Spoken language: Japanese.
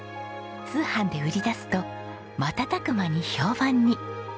通販で売り出すと瞬く間に評判に。